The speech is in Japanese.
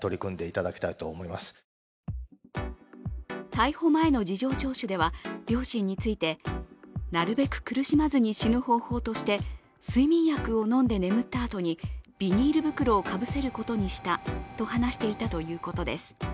逮捕前の事情聴取では両親について、なるべく苦しまずに死ぬ方法として睡眠薬を飲んで眠ったあとにビニール袋をかぶせることにしたと話していたということです。